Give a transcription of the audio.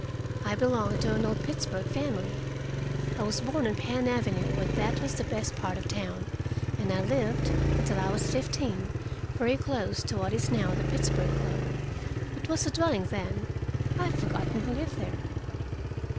I belong to an old Pittsburgh family. I was born on Penn Avenue, when that was the best part of town, and I lived, until I was fifteen, very close to what is now the Pittsburgh Club. It was a dwelling then; I have forgotten who lived there.